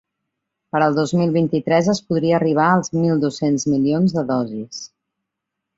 Per al dos mil vint-i-tres es podria arribar als mil dos-cents milions de dosis.